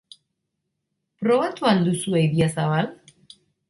Probatu al duzue Idiazabal?